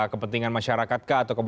kepentingan masyarakat kah